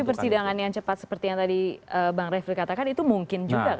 tapi persidangan yang cepat seperti yang tadi bang refli katakan itu mungkin juga